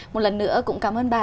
một lần nữa cũng cảm ơn bà